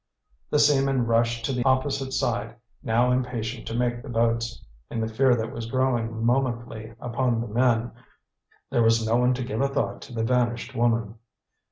The seamen rushed to the opposite side, now impatient to make the boats. In the fear that was growing momently upon the men, there was no one to give a thought to the vanished woman.